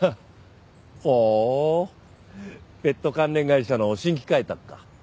ほうペット関連会社の新規開拓か。